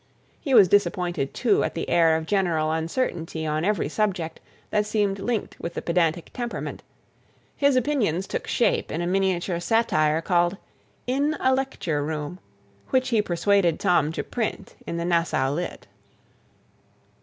He was disappointed, too, at the air of general uncertainty on every subject that seemed linked with the pedantic temperament; his opinions took shape in a miniature satire called "In a Lecture Room," which he persuaded Tom to print in the Nassau Lit.